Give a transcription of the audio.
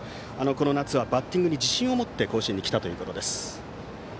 この夏は、バッティングに自信を持って甲子園に来たということです。